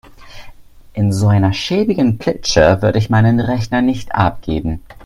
In so einer schäbigen Klitsche würde ich meinen Rechner nicht abgeben.